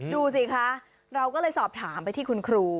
ดูสิคะเราก็เลยสอบถามไปที่คุณครู